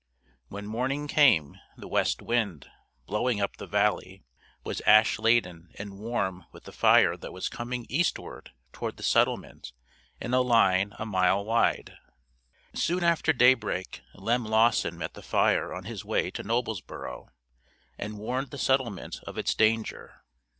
When morning came the west wind, blowing up the valley, was ash laden and warm with the fire that was coming eastward toward the settlement in a line a mile wide. Soon after daybreak Lem Lawson met the fire on his way to Noblesborough, and warned the settlement of its danger.